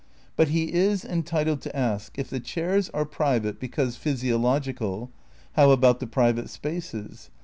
But he is entitled to ask : If the chairs are private because physiological, how about the private spaces'?